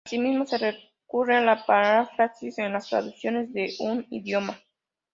Asimismo, se recurre a la paráfrasis en las traducciones de un idioma.